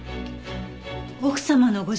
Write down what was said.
奥様のご